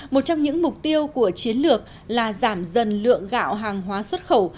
một trong những mục tiêu của chiến lược là giảm dần lượng gạo hàng hóa xuất khẩu